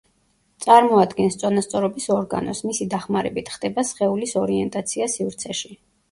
წარმოადგენს წონასწორობის ორგანოს; მისი დახმარებით ხდება სხეულის ორიენტაცია სივრცეში.